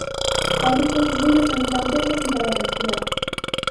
A outros conselleiros non lle dan tempo nin para respirar.